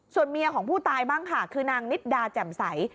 ส่วนเมียของผู้ตายบ้างค่ะคือนางนิดดาแจ่มใส